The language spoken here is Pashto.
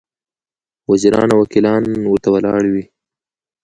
وزیران او وکیلان ورته ولاړ وي.